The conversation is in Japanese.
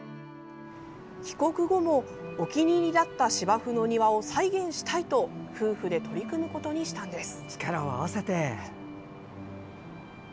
帰国後も、お気に入りだった芝生の庭を再現したいと夫婦で取り組むことにしたんです。